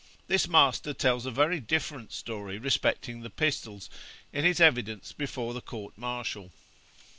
This master tells a very different story respecting the pistols, in his evidence before the court martial.